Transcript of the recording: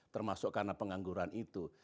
termasuk karena pengangguran itu